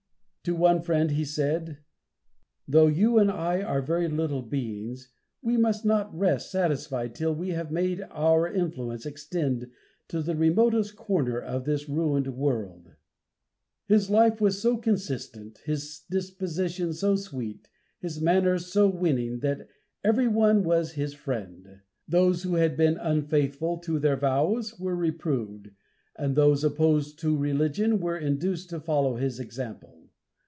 To one friend he said: "Though you and I are very little beings, we must not rest satisfied till we have made our influence extend to the remotest corner of this ruined world." His life was so consistent, his disposition so sweet, his manners so winning that every one was his friend. Those who had been unfaithful to their vows were reproved, and those opposed to religion were induced to follow his example.